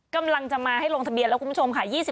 กำลังจะมาให้ลงทะเบียนแล้วคุณผู้ชมค่ะ